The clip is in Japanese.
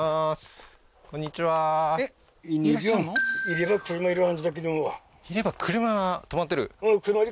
居れば車が止まってる？